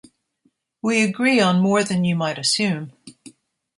We agree on more than you might assume